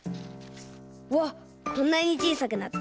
うわっこんなにちいさくなった。